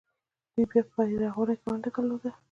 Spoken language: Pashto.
دوی په بیارغونه کې ونډه درلوده.